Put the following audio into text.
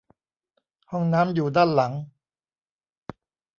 ห้องน้ำอยู่ด้านหลัง